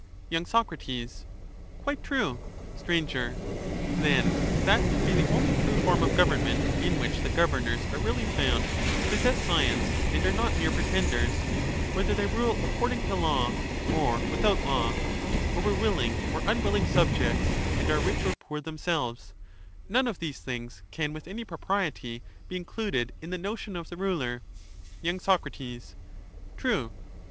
y. Soc. Quite true. Sir. Then that can be the only true form of government in which the governors are really found to possess science, and are not mere pretenders, whether they rule according to law or without law, over willing or unwilling subjects, and are rich or poor themselves — none of these things can with any propriety be included in the notion of the ruler. y. Soc, True.